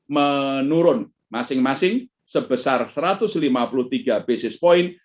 menurun masing masing sebesar satu ratus lima puluh tiga basis point